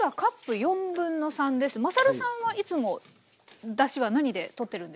まさるさんはいつもだしは何でとってるんですか？